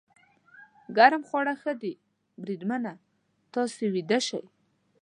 ګرم خواړه ښه دي، بریدمنه، تاسې ویده شئ.